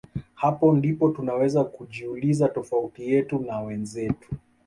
Hapo ndipo tunaweza kujiuliza tofauti yetu na wenzetu